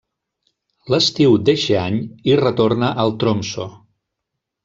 L'estiu d'eixe any hi retorna al Tromsø.